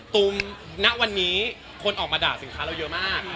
ตูมณวันนี้คนออกมาด่าสินค้าเราเยอะมาก